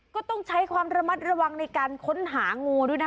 ก็ต้องใช้ความระมัดระวังในการค้นหางูด้วยนะ